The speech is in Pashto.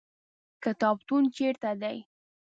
کتابتون چیرته دی؟